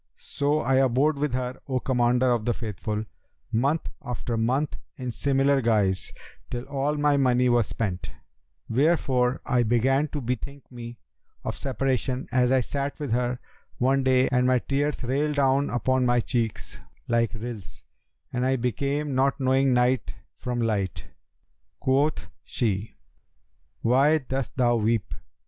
So, I abode with her, O Commander of the Faithful, month after month in similar guise, till all my money was spent; wherefore I began to bethink me of separation as I sat with her one day and my tears railed down upon my cheeks like rills, and I became not knowing night from light. Quoth she, 'Why dost thou weep?'